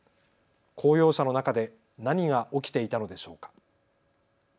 公用車の中で何が起きていたのでしょうか。